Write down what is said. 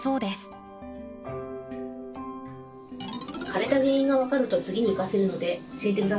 枯れた原因が分かると次に生かせるので教えて下さい。